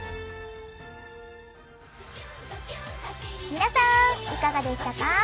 皆さんいかがでしたか？